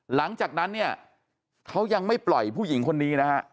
หลังจากนั้นเนี่ยเขายังไม่ปล่อยผู้หญิงคนนี้นะฮะ